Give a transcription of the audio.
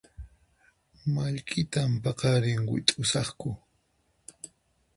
Mallkitan paqarin wit'usaqku